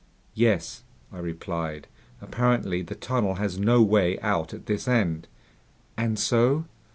"Yes," I replied. "Apparently the tunnel has no way out at this end." "And so